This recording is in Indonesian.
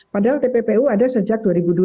padahal tppu ada sejak dua ribu dua belas